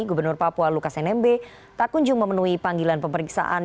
gubernur papua lukas nmb tak kunjung memenuhi panggilan pemeriksaan